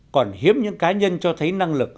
còn hiếm những cá nhân cho thấy năng lực